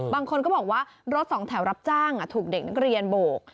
บางคนก็บอกว่ารถสองแถวรับจ้างถูกเด็กนักเรียนโบก